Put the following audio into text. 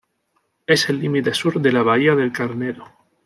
Es el límite sur de la Bahía del Carnero.